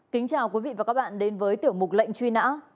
kính chào quý vị và các bạn đến với tiểu mục lệnh truy nã